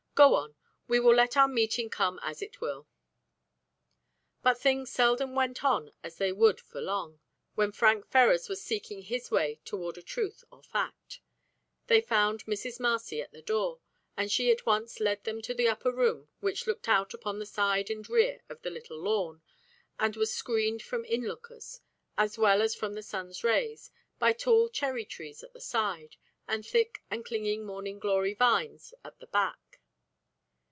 Go on, we will let our meeting come as it will." But things seldom went on as they would for long, when Frank Ferrars was seeking his way toward a truth or fact. They found Mrs. Marcy at the door, and she at once led them to the upper room which looked out upon the side and rear of the little lawn, and was screened from inlookers, as well as from the sun's rays, by tall cherry trees at the side, and thick and clinging morning glory vines at the back.